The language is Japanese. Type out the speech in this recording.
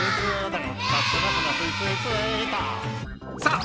さあ